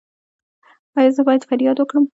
ایا زه باید فریاد وکړم؟